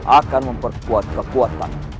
akan memperkuat kekuatan